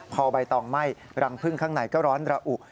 พอใบตองไหม้รังพึ่งข้างในก็ร้อนระอุ